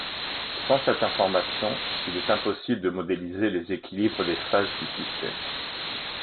Sans cette information, il est impossible de modéliser les équilibres des phases du système.